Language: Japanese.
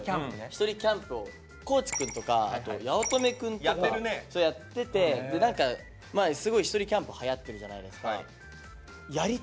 １人キャンプを地くんとか八乙女くんとかやってて何かすごい１人キャンプはやってるじゃないですか。